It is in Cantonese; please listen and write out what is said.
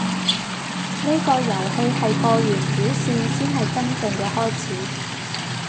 呢個遊戲係過完主線先係真正嘅開始